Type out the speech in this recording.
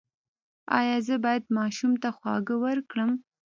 ایا زه باید ماشوم ته خواږه ورکړم؟